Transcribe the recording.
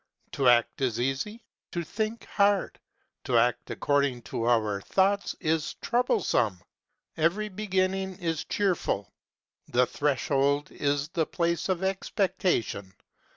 To act is easy, to think is hard ; to act accord ing to our thought is troublesome. Every beginning is cheer ful: the threshold is the place of expectation.